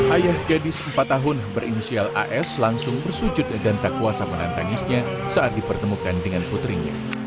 ayah gadis empat tahun berinisial as langsung bersujud dan tak kuasa menantangisnya saat dipertemukan dengan putrinya